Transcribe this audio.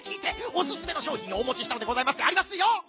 おすすめのしょうひんをおもちしたのでございますでありますよ！」。